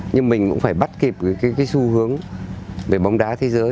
nhưng mình cũng phải bắt kịp cái xu hướng về bóng đá thế giới